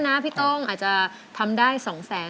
ไม่แน่นะพี่ต้องอาจทำได้๒๓๕แสน